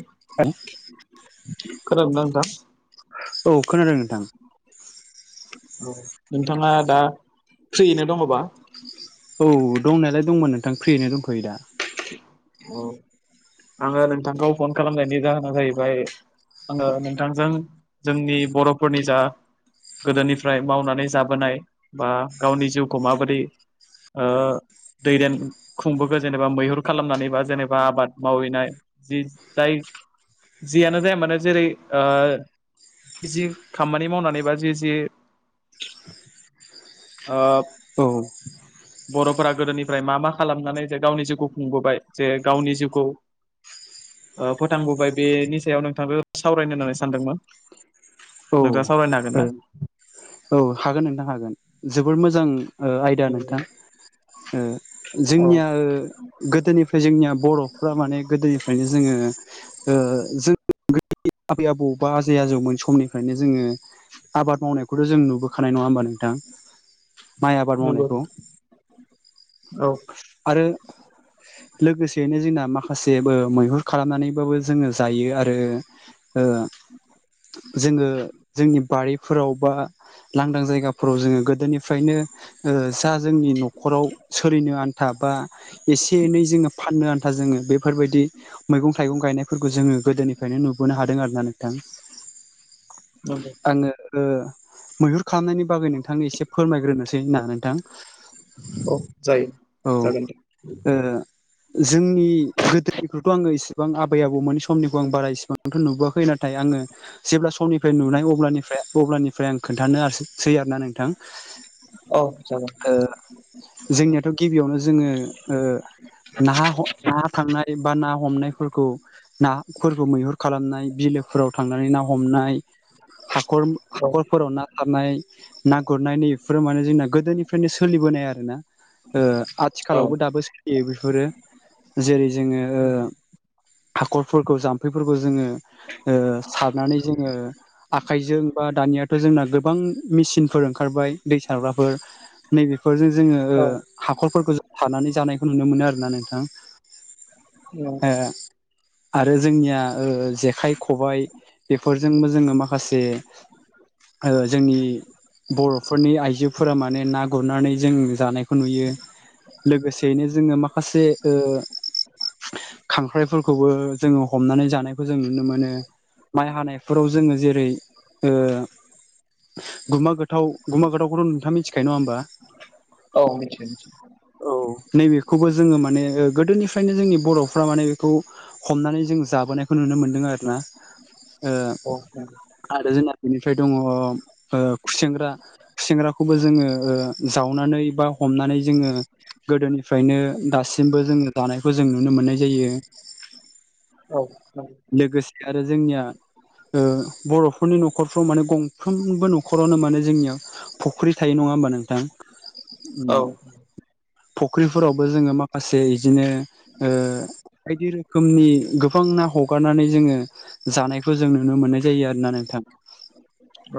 औ [unintelligible] खोनादों ना नोंथां औ खोनादों नोंथां औ नोंथाङा दा फ्रियैनो दङबा औ दंनायालाय दंमोन नोंथां फ्रियैनो दंथ'यो दा औ आङो नोंथांखौ फन खालामनायनि जाहोना जाहैबाय आङो नोंथांजों जोंनि बर'फोरनि जा गोदोनिफ्राय मावनानै जाबोनाय बा गावनि जिउखौ माबोरै ओ दैदेन खुंबो जेनेबा मैहुर खालामनानै बा जेनेबा आबाद मावहैनाय जि जाय जियानो जाया मानो जेरै ओ जि खामानि मावनानै बा जि जि ओ औ बर'फोरा गोदोनिफ्राय मा मा खालामनानै जे गावनि जिउखौ खुंबोबाय जे गावनि जिउखौ फोथांबोबाय बेनि सायाव नोंथांखौ सावरायनो होननानै सानदोंमोन नोंथाङा सावरायनो हागोन औ ना औ हागोन नोंथां हागोन जोबोर मोजां आयदा नोंथां औ जोंनिया गोदोनिफ्राय जोंनिया बर'फोरा माने गोदोनिफ्रायनो जोङो ओ जों आबै आबौ बा आजै आजौमोन समनिफ्रायनो जोङो आबाद मावनायखौथ' जों नुबो खानाय नङा होमबा नोंथां माइ आबाद नंगौ मावनायखौ औ आरो लोगोसेयैनो जोंना माखासे मैहुर खालामनानैबाबो जोङो जायो आरो जोङो जोंनि बारिफोराव बा लांदां जायगाफोराव जोङो गोदोनिफ्रायनो जा जोंनि न'खराव सोलिनो आ आथा बा एसे एनै जोङो फाननो आन्था जोङो बेफोरबायदि मैगं थाइगं गायनायफोरखौ जोङो गोदोनिफ्रायनो नुबोनो हादों आरो ना नोंथां [inaudible] नंगौ आङो मैहुर खालामनायनि बागै नोंथांनि एसे फोरमायग्रोनोसै ना नोंथां औ जायो औ जागोन दे जोंनि गोदोनिखौथ' आङो इसिबां आबै आबौमोन समनिखौ आं बारा इसेबां आंथ' नुबोआखै नाथाय आङो जेब्ला समनिफ्राय नुनाय अफ्राय अब्लानिफ्राय आं खोन्थानोसै आरोना नोंथां औ जागोन सै आरोना नोंथां जोंनियाथ' गिबियावनो जोङो ना ना थांनाय बा ना हमनायफोरखौ नाफोरखौ मैहुर खालामनाय बिलोफोराव थांनानै ना हमनाय हाखर औ हाखरफोराव ना हाबनाय ना गुरनाय नैफोरो माने जोंना गोदोनिफ्रायनो सोलिबोनाय आरो ना औ आथिखालावबो दाबो सोलि यो बेफोरो जेरै जोङो हाखरफोरखौ जाम्फैफोरखौ जोङो सारनानै जोङो आखाइजों बा दानियाथ' जोंना गोबां मेचिनफोर ओंखारबाय दै सारग्राफोर नैबेफोरजों जोङो औ हाखरफोरखौ सारनानै जानायखौ नुनो मोनो आरोना नोंथां नंगौ आरो जोंनिया जेखाइ खबाइ बेफोरजोंबो जोङो माखासे जोंनि बर'फोरनि आइजोफोरा माने ना गुरनानै जों जानायखौ नुयो लोगोसेयैनो जोङो माखासे खांख्राइफोरखौबो जोङो हमनानै जानायखौ जों नुनो मोनो माइ हानायफोराव जोङो जेरै गुमा गोथाव गुमा गोथावखौथ' नोंथाङा मिथिखायो नङा होमबा औ मिथिखायो औ नैबेखौबो जोङो माने गोदोनिफ्रायनो जोंनि बर'फ्रा माने बेखौ हमनानै जों जाबोनायखौ नुनो मोनदों आरोना औ नंगौ आरो जोंना बेनिफ्राय दङ खुसेेंग्रा खुसेंग्राखौबो जोङो जावनानै बा हमनानै जोङो गोदोनिफ्रायनो दासिमबो जोङो जानायखौ जों नुनो मोननाय जायो औ औ लोगोसे आरो जोंनिया बर'फोरनि न'खर माने गंफ्रोमबो न'खरावनो माने जोंनियाव फुख्रि थायो नङा होनबा नोंथां औ फुख्रिफोरावबो जोङो माखासे बिदिनो बायदि रोखोमनि गोबां ना हगारनानै जोङो जानायखौ जों नुनो मोननाय जायो आरोना नोंथां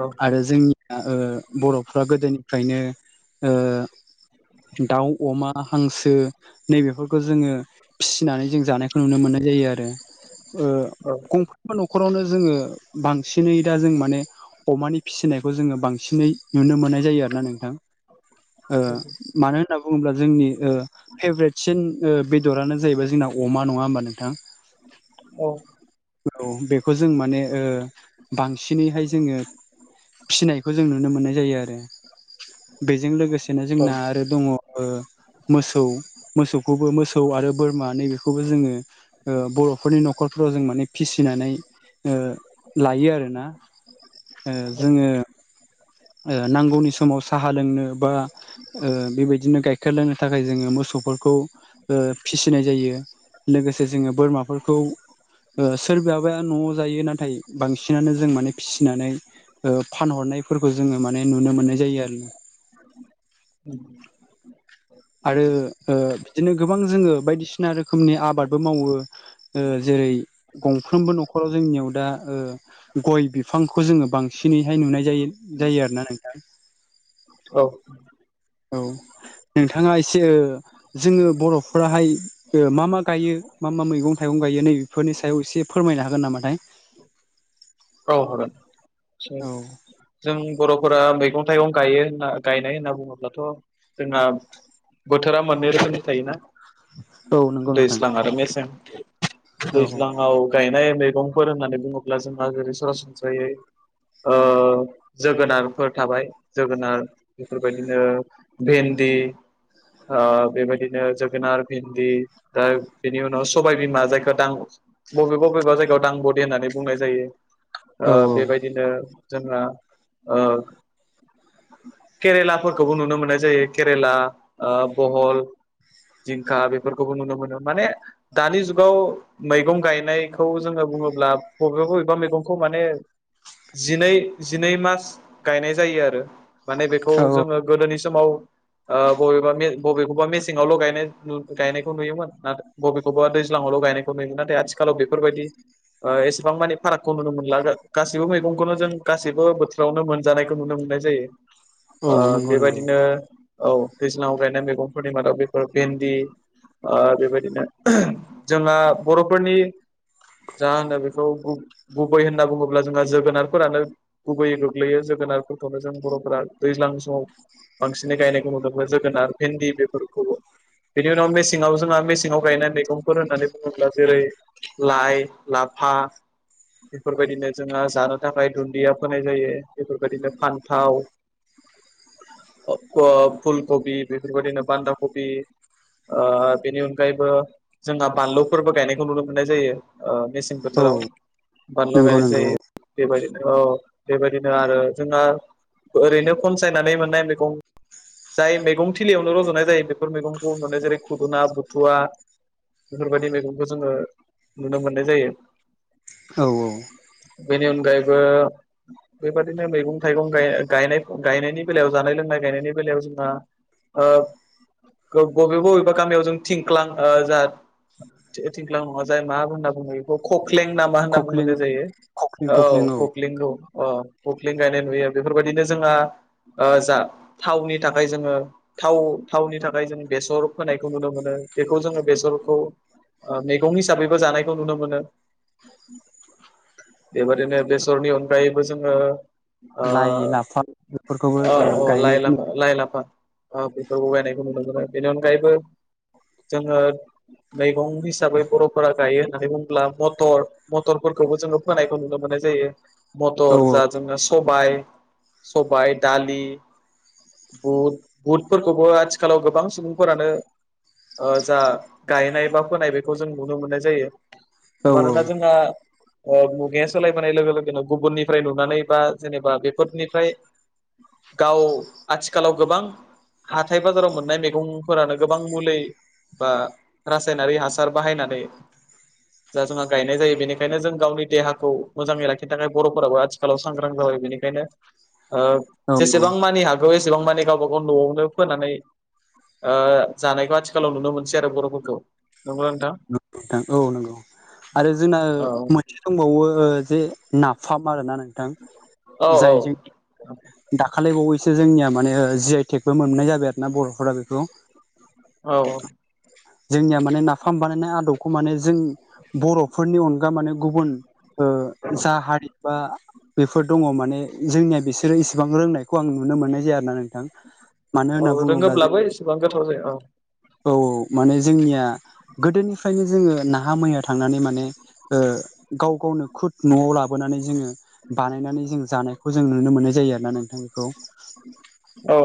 औ आरो जोंनिया बर'फ्रा गोदोनिफ्रायनो दाउ अमा हांसो नैबेफोरखौ जोङो फिसिनानै जों जानायखौ नुनो मोननाय जायो आरो गंफ्रोमबो न'खरावनो जोङो बांसिनै दा जों माने अमानि फिसिनायखौ जोङो बांसिनै नुनो मोननाय जायो आरोना नोंथां ओ औ मानो होनना बुङोब्ला जोंनि फेभरेटसिन बेदरानो जाहैबाय जोंना अमा नङा होमबा नोंथां [inaudible] औ बेखौ जों माने बांसिनैहाय जोङो फिनायखौ जों नुनो मोननाय जायो आरो बेजों लोगोसेनो औ जोंना आरो दङ मोसौ मोसौखौबो मोसौ आरो बोरमा नैबेखौबो जोङो बर'फोरनि न'खरफोराव जों माने फिसिनानै लायो आरो आरोना जोङो नांगौनि समाव साहा लोंनो बा बेबायदिनो गाइखेर लोंनो थाखाय जोङो मोसौफोरखौ फिसिनाय जायो लोगोसे जोङो बोरमाफोरखौ सोरबाबाया न'आव जायो नाथाय बांसिनानो जों माने फिसिनानै फानहरनायफोरखौ जोङो माने नुनो मोननाय जायो आरो उ आरो बिदिनो गोबां जोङो बायदिसिना रोखोमनि आबादबो मावो जेरै गंफ्रोमबो न'खराव जोंनियाव दा गय बिफांखौ जोङो बांसिनैहाय नुनाय जायो जायो आरोना नोंथां औ औ नोंथाङा एसे जोङो बर'फोराहाय मा मा गायो मा मा मैगं थाइगं गायो नै बेफोरनि सायाव एसे फोरमायनो हागोन नामाथाय औ हरो औ जों बर'फोरा मैगं हाथायगनो गायो होनना गायनाय होनना बुङोब्लाथ' जोंना बोथोरा मोननै रोखोमनि थायोना औ नंगौ नोंथां दैज्लां आरो मेसें औ दैज्लांआव गायनाय मैगंफोर होननानै बुङोब्ला जोंहा जेरै सरासनस्रायै जोगोनारफोर थाबाय जोगोनार बेफोरबायदिनो भेन्दि बेबायदिनो जोगोनार भिन्दि दा बेनि उनाव सबाइबिमा जायखौ दां बबेबा बबेबा जायगायाव दां बदे होननानै बुंनाय जायो औ बेबायदिनो जोंना ओ केरेलाफोरखौबो नुनो मोननाय जायो केरेला बहल जिंखा बेफोरखौबो नुनो मोनो माने दानि जुगाव मैगं गायनायखौ जोङो बुङोब्ला बबेबा बबेबा मैगंखौ माने जिनै जिनै मास गायनाय जायो आरो माने बेखौ औ जोङो गोदोनि समाव बबेबा बबेखौबा मेसेंआवल गाय गायनायखौ नुयोमोन न बबेखौबा दैज्लाङावल' गायनायखौ नुगोन नाथाय आथिखालाव बेफोरबायदि एसेबां मानिे फाराग खौ नुनो मोनला गाससिबो मैगंखौनो जों गासैबो बोथोरावनो मोनजानायखौ नुनो मोननाय जायो औ नंगौ नंगौ बेबायदिनो औ दैज्लांआव गायनाय मैगंफोरनि मादाव बेफोर भेन्दि बेबायदिनो जोंहा बर'फोरनि जा होनो बेखौ गुबै होनना बुङोब्ला जोंहा जोगोनारफोरानो गुबैयै गोग्लैयो जोगोनारफोरखौनो जों बर'फोरा दैज्लां समाव बांसिनै गायनायखौ नुदोंमोन जोगोनार भिन्दि बेफोरखौबो बिनि उनाव मेसेङाव जोंहा मेसेंआव गायनाय मैगंफोर होननानै बुङोब्ला जेरै लाइ लाफा बेफोरबायदिनो जोंहा जानो थाखाय दुन्दिया फोनाय जायो बेफोरबायदिनो फान्थाव फुलकबि बेफोरबायदिनो बान्दा कबि बेनि अनगायैबो जोंहा बानलुफोरबो गायनायखौ नुनो मोननाय जायो मेसें औ बोथोराव बानलु नंगौ गायनाय नंगौ जायो बेबायदिनो औ बेबायदिनो आरो जोंना ओरैनो खनसायनानै मोननाय बेखौ जाय मैगं थिलियावनो रज'नाय जायो बेफोर मैगंखौ नुनाय जेरै खुदुना बुथुवा बेफोरबायदि मैगंखौ जोङो नुनो मोननाय जायो औ औ बेनि अनगायैबो बेबायदिनो मैगं थाइगं गाय गायनायनि बेलायाव जानाय लोंनाय गायनायनि बेलायाव जोंहा बबेबा बबेबा गामियाव जों थिंख्लां जाह थिंख्लां नङा जाय मा होनना बुङो बेखौ कक्लें नामा होनना खख्लिं बुंहोनाय जायो खख्लिं खख्लिं औ खख्लिंखौ अ खख्लिं गायनाय नुयो बेफोरबायदिनो जोंहा जा थावनि थाखाय जोङो थाव थावनि थाखाय जों बेसर फायखौ नुनो मोनो बेखौ जोङो बेसरखौ मैगं हिसाबैबो जानायखौ नुनो मोनो बेबायदिनो बेसरनि अनगायैबो जोङो अ लाइ लाफा बेफोरखौबो ओ औ लाइ गायनायखौ लाफा लाइ लाफा औ बेफोरखौ गायनायखौ नुनो मोनो बेनि अनगायैबो जोङो मैगं हिसाबै बर'फोरा गायो होननानै बुङोब्ला मथर मटरफोरखौबो जोङो फोनायखौ नुनो मोननाय जायो औ मटर जा जोङो सब बाय सबाइ दालि बुट बुटफोरखौबो आथिखालाव गोबां सुबुंफोरानो जा गायनाय बा फोनाय बेखौ जों नुनो मोननाय जायो औ मानोना [unintelligible] मुगाया सोलायबोनाय लोगो लोगोनो गुबुननिफ्राय नुनानै बा जेनेबा बेफोरनिफ्राय गाव आथिखालाव गोबां हाथाय बाजाराव मोननाय मैगंफोरानो गोबां मुलि बा रासायनारि हासार बाहायनानै जा जोंहा गायनाय जायो बेनिखायनो जों गावनि देहाखौ मोजाङै लाखिनो थाखाय बर'फोराबो आथिखालाव सांग्रां जाबाय बेनिखायनो औ जेसेबां मानि हागौ एसेबां मानि गावबा गाव न'आवनो फोनानै जानायखौ आथिखालाव नुनो मोनसै आरो बर'फोरखौ नंगौ ना नोंथां [unintelligible] नोंथां औ नंगौ आरो जोंना औ मै दंबावो जे नाफाम आरोना नोंथां औ औ जायजों दाखालि बावैसो जोंनिया माने जि आइ टेकबो मोननाय जाबाय आरो ना बर'फोरा बेखौ औ जोंनिया माने नाफाम बानायनाय आदबखौ माने जों बर'फोरनि अनगा माने गुबुन ओ जा हारि बा बेफोर दङ माने जोंनिया बिसोरो इसेबां रोंनायखौ आं नुनो मोननाय जाया आरोना नों थां मानो होनना औ बुङोब्ला रोङोब्लाबो जोंनि एसेबां गोथाव जाया औ औ औ माने जोंनिया गोदोनिफ्रायनो जोङो नाहा मैहा थांनानै माने गाव गावनो खुद न'आव लाबोनानै जोङो बानायनानै जों जानायखौ जों नुनो मोननाय जायो आरो ना नोंथां बेखौ औ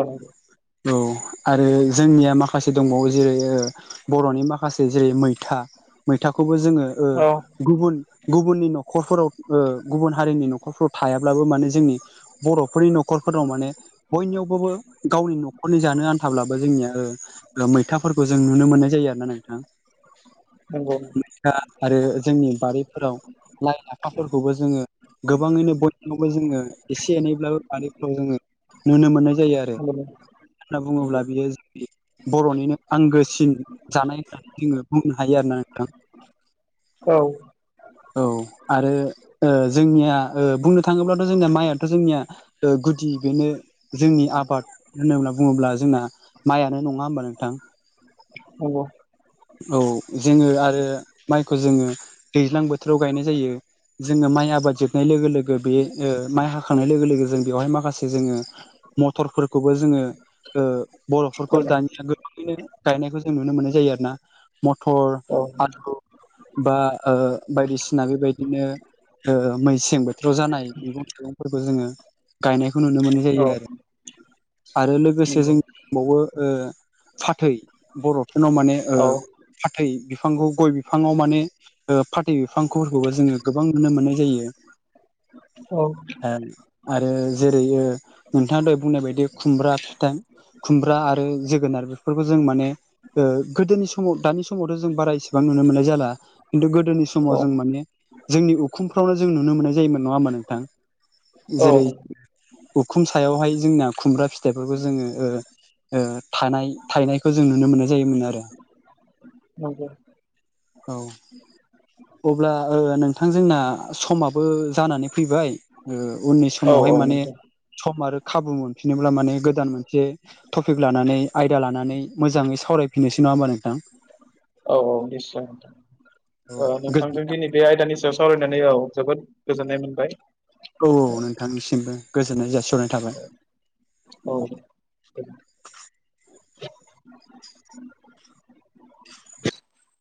औ आरो जोंनिया माखासे दंबावो जेरै बर'नि माखासे जेरै मैथा मैथाखौबो जोङो औ गुबुन गुबुननि न'खरफोराव गुबुन हारिनि न'खरफ्राव थायाब्लाबो माने जोंनि बर'फोरनि नखरफोराव माने बयनियावबाबो गावनि न' खरनि जानो आनथाब्लाबो ओ जोंनिया मैथाफोरखौ जों नुनो मोननाय जायो आरोना नोंथां। नोंगौ दा आरो जोंनि बारिफोराव लाइ लाफाफोरखौबो जोङो गोबाङैनो बयनियावबो जोङो एसे एनैब्लाबो बारिफ्राव जोङो नुनो मोननाय जायो आरो। [unintelligible] होनना नंगौ बुङोब्ला बियो बर'निनो आंगोसिन जानाय होननानै जोङो बुंनो हायो आरोना नोंथां। औ औ आरो ओ जोंनिया ओ बुंनो थाङोब्लाथ' जोंनिया माइयाथ' जोंनिया ओ गुदि बेनो जोंनि आबाद। होनोब्ला बुङोब्ला जोंना माइआनो नङा ओमबा नोंथां? नंगौ औ जोङो आरो माइखौ जोङो दैज्लां बोथोराव गायनाय जायो। जोङो माइ आबाद जोबनाय लोगो लोगो बे ओ माइ हाखांनाय लोगो लोगो जों बेवहाय माखासे जोङो मटरफोरखौबो जोङो ओ बर'फोरखौ खोना दानिया गो नाङैनो गायनायखौ जों नुनो मोननाय जायो आरोना मथर औ आलु बा ओ बायदिसिना बेबायदिनो ओ मैसें बोथोराव जानाय मैगं थाइगंफोरखौ जोङो गायनायखौ नुनो मोननाय औ जायो आरो। आरो लोगोसे नंगौ जोंनाव दोंबावो ओ फाथै बर'फोरनाव माने ओ औ फाथै बिफांखौ गय बिफाङाव माने ओ फाथै बिफांफोरखौबो जोङो गोबां नुनो मोननाय जायो। औ ओ आरो जेरै ओ नोंथाङा दहय बुंनाय बायदि खुमब्रा फिथाइ खुमब्रा आरो जोगोनार बेफोरखौ जों माने ओ गोदोनि समाव दानि समावथ' जों बारा इसेबां नुनो मोननाय जाला। खिन्थु गोदोनि समाव जों माने जोंनि उखुमफ्रावनो जों नुनो मोननाय जायोमोन नङा ओमबा नोंथां? औ जेरै उखुम सायावहाय जोंना खुमब्रा फिथाइफोरखौ जोङो ओ ओ थानाय थाइनायखौ जों नुनो मोननाय जायोमोन आरो। नंगौ औ अब्ला ओ नोंथां जोंना समाबो जानानै फैबाय। ओ उननि औ समावहाय औ माने नोंथां सम आरो खाबु मोनफिनोब्ला माने गोदान मोनसे टपिक लानानै आयदा लानानै मोजाङै सावरायफिननोसै नङा ओनबा नोंथां? औ औ निस्यय ओ औ नोंथां नोंथांजों गोजोननाय दिनै बे आयदानि सायाव सावरायनानै औ जोबोद गोजोननाय मोनबाय। औ औ नोंथांनिसिमबो गोजोननाय जासिहरनाय थाबाय। औ